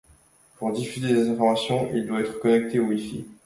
Pour diffuser des informations, il doit être connecté au Wi-Fi.